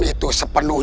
ibu ibu ibu